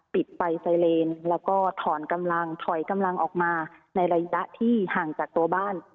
ปิดไฟไซเลนแล้วก็ถอนกำลังถอยกำลังออกมาในระยะที่ห่างจากตัวบ้าน